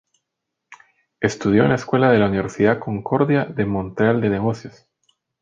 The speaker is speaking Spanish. Estudio en la escuela de la Universidad Concordia de Montreal de negocios.